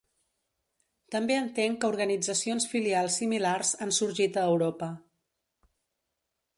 També entenc que organitzacions filials similars han sorgit a Europa.